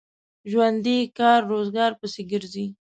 ژوندي کار روزګار پسې ګرځي